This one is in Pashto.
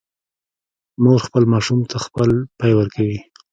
مور خپل ماشوم ته خپل پی ورکوي